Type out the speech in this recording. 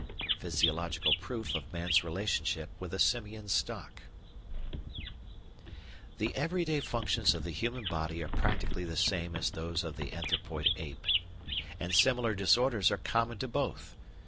§ 2 Physiological Proof of Man's Relationship with a Simian Stock The everyday functions of the human body are practically the same as those of the anthropoid ape, and similar disorders are common to both.